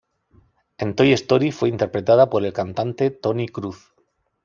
En Toy Story fue interpretada por el cantante Tony Cruz.